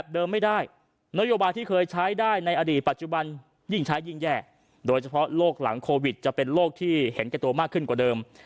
โดยเฉพาะโรคหลังโควิดจะเป็นโลกที่เห็นแต่ตัวมากขึ้นกว่าเดิม